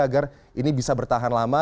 agar ini bisa bertahan lama